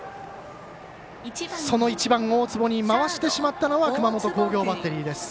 その１番、大坪に回してしまったのは熊本工業バッテリーです。